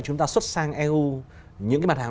chúng ta xuất sang eu những cái mặt hàng